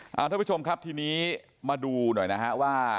ท่านผู้ชมครับทีนี้มาดูหน่อยนะฮะว่า